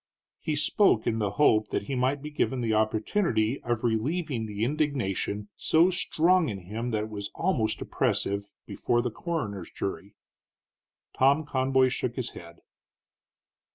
He spoke in the hope that he might be given the opportunity of relieving the indignation, so strong in him that it was almost oppressive, before the coroner's jury. Tom Conboy shook his head.